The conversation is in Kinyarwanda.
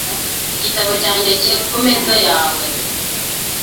Igitabo cyanjye kiri kumeza yawe .